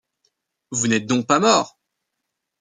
Vous n’êtes donc pas mort!